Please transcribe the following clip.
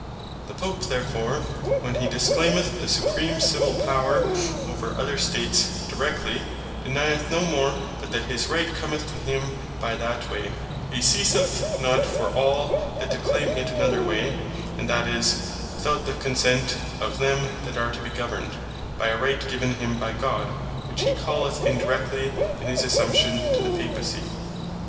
The Pope therefore, when he disclaimeth the Supreme Civill Power over other States Directly, denyeth no more, but that his Right cometh to him by that way; He ceaseth not for all that, to claime it another way; and that is, (without the consent of them that are to be governed) by a Right given him by God, (which hee calleth Indirectly,) in his Assumption to the Papacy.